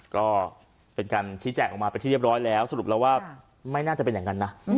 ก็เป็นการชี้แจงออกมาเป็นที่เรียบร้อยแล้วสรุปแล้วว่าไม่น่าจะเป็นอย่างนั้นนะ